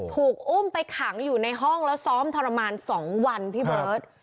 ถูกอุ้มไปขังอยู่ในห้องแล้วซ้อมทรมาน๒วันพี่เบิร์ต